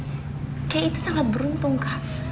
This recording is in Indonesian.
baik untuk kay kay itu sangat beruntung kak